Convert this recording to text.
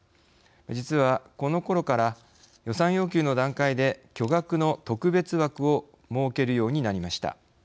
実はこのころから予算要求の段階で巨額の特別枠を設けるようになりました。